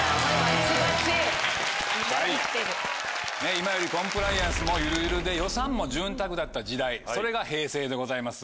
今よりコンプライアンスもゆるゆるで予算も潤沢だった時代それが平成でございます。